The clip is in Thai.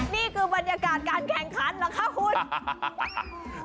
นี่คือบรรยากาศการแข่งขันเหรอคะคุณ